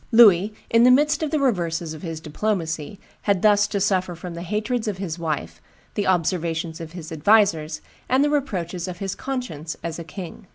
Louis, in the midst of the reverses of his diplomacy, had thus to suffer from the hatreds of his wife, the observations of his advisers, and the reproaches of his conscience as a king.